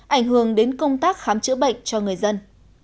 ảnh hưởng đến công tác khám chữa bệnh cho người dân